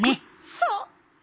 そう！